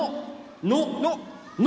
「の」！の？の！